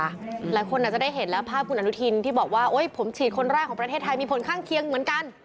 หลายคนอาจจะได้เห็นแล้วภาพคุณอนุทินที่บอกว่าโอ๊ยผมฉีดคนแรกของประเทศไทยมีผลข้างเคียงเหมือนกัน